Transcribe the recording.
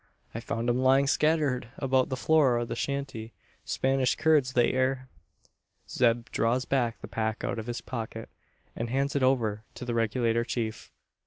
I found 'em lying scattered about the floor o' the shanty. Spanish curds they air." Zeb draws the pack out of his pocket, and hands it over to the Regulator Chief.